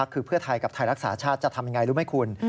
คือเพื่อไทยกับไทยรักษาชาติจะทำอย่างไรรู้ไหมคุณ